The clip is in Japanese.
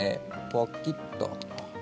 ポキッと。